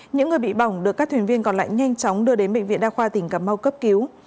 những người bị bỏng được các thuyền viên còn lại nhanh chóng đưa đến bệnh viện đa khoa tỉnh cà mau cấp cứu